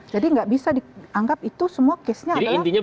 jadi nggak bisa dianggap itu semua kesnya adalah pendatang haram